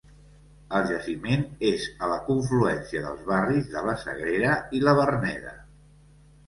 El jaciment és a la confluència dels barris de la Sagrera i la Verneda.